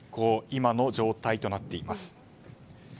今の状態となっています。